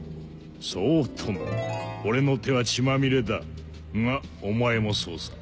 そうとも俺の手は血まみれだがお前もそうさ。